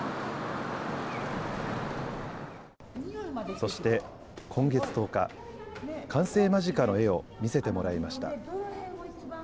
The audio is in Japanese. そして今月１０日、完成間近の絵を見せてもらいました。